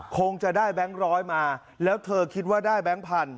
คงจะได้แบงค์ร้อยมาแล้วเธอคิดว่าได้แบงค์พันธ